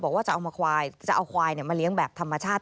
บอกว่าจะเอาควายมาเลี้ยงแบบธรรมชาติ